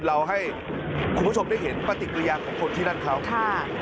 เราให้คุณผู้ชมได้เห็นปฏิกิริยาของคนที่นั่นเขาค่ะ